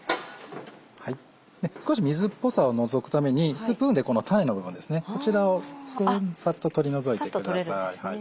少し水っぽさを除くためにスプーンでこの種の部分ですねこちらをサッと取り除いてください。